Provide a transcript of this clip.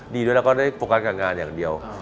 ดีด้วยแล้วก็ได้โฟกัสกับงานอย่างเดียว